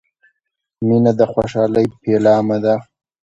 • مینه د خوشحالۍ پیلامه ده.